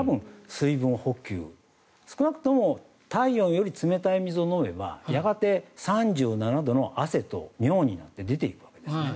水分補給少なくとも体温より冷たい水を飲めばやがて３７度の汗と尿になって出ていくわけですね。